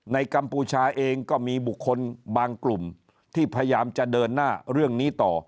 กัมพูชาเองก็มีบุคคลบางกลุ่มที่พยายามจะเดินหน้าเรื่องนี้ต่อ